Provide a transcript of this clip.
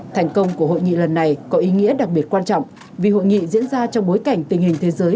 thành công của hội nghị lần này có ý nghĩa đặc biệt quan trọng vì hội nghị diễn ra trong bối cảnh tình hình thế giới